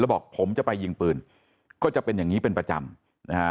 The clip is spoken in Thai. บอกผมจะไปยิงปืนก็จะเป็นอย่างนี้เป็นประจำนะฮะ